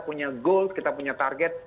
punya goals kita punya target